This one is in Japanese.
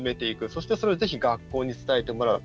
そして、それをぜひ学校に伝えてもらう。